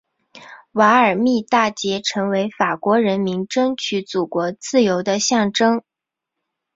瓦尔密大捷成为法国人民争取祖国自由的象征。